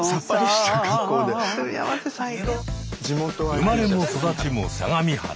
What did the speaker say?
生まれも育ちも相模原。